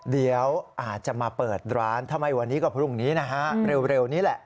เดี๋ยวอาจจะมาเปิดร้านทำไมวันนี้ก็พรุ่งนี้นะฮะเร็วนี้แหละ